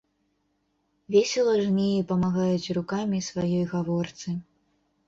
Весела жнеі памагаюць рукамі сваёй гаворцы.